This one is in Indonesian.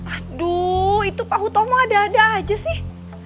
aduh itu pak hutomo ada ada aja sih